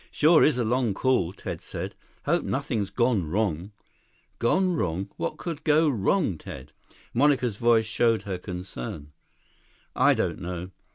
"Sure is a long call," Ted said. "Hope nothing's gone wrong." "Gone wrong? What could go wrong, Ted?" Monica's voice showed her concern. "I don't know.